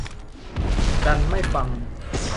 ดันไม่ฟัง